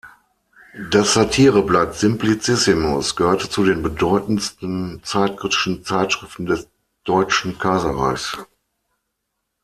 Das Satire-Blatt Simplicissimus gehörte zu den bedeutendsten zeitkritischen Zeitschriften des Deutschen Kaiserreichs.